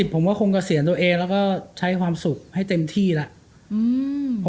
ผมว่าคงเกษียณตัวเองแล้วก็ใช้ความสุขให้เต็มที่แล้ว